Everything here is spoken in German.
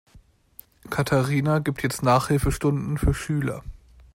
Katharina gibt jetzt Nachhilfestunden für Schüler.